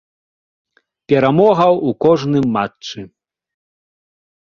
Перамога ў кожным матчы.